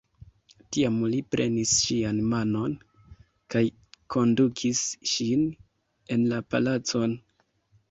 Tiam li prenis ŝian manon kaj kondukis ŝin en la palacon.